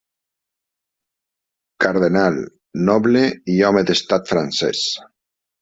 Cardenal, noble i home d'estat francès.